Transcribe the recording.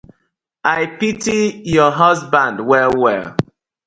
I pity yu husban well well.